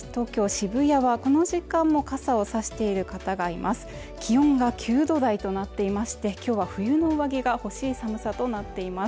渋谷はこの時間も傘を差している方がいます。